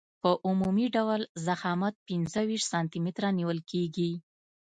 په عمومي ډول ضخامت پنځه ویشت سانتي متره نیول کیږي